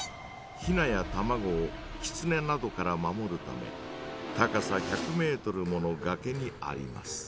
ヒナや卵をキツネなどから守るため高さ１００メートルものがけにあります。